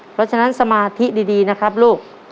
เพราะฉะนั้นสมาธิดีนะครับลูก